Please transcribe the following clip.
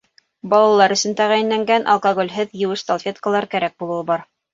Балалар өсөн тәғәйенләнгән алкоголһеҙ еүеш салфеткалар кәрәк булыуы бар.